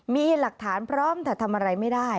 มีหลักฐานพร้อมแต่ทำอะไรไม่ได้